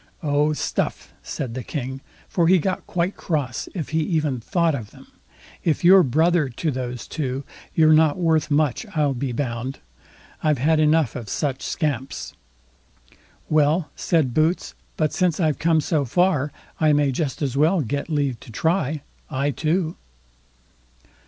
"Oh, stuff!" said the King, for he got quite cross if he even thought of them; "if you're brother to those two, you're not worth much, I'll be bound. I've had enough of such scamps." "Well", said Boots; but since I've come so far, I may just as well get leave to try, I too."